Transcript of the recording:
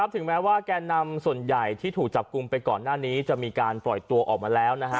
ถึงแม้ว่าแกนนำส่วนใหญ่ที่ถูกจับกลุ่มไปก่อนหน้านี้จะมีการปล่อยตัวออกมาแล้ว